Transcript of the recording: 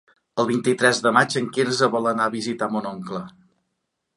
El vint-i-tres de maig en Quirze vol anar a visitar mon oncle.